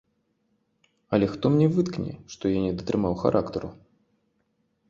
Але хто мне выткне, што я не датрымаў характару?